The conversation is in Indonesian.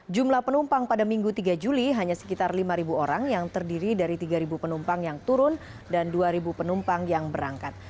jumlah penumpang pada minggu tiga juli hanya sekitar lima orang yang terdiri dari tiga penumpang yang turun dan dua penumpang yang berangkat